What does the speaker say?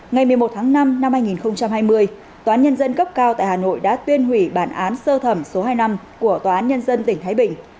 ngày một mươi một tháng năm năm hai nghìn hai mươi tnd tp thái bình đã tuyên hủy bản án sơ thỏa số hai năm của tnd tp thái bình